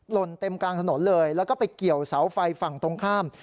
ลนเต็มกลางถนนเลยแล้วก็ไปเกี่ยวเสาไฟฝั่งตรงข้าม